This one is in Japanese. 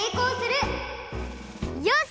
よし！